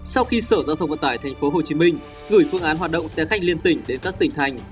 sau khi sở giao thông vận tải thành phố hồ chí minh gửi phương án hoạt động xe khách liên tỉnh đến các tỉnh thành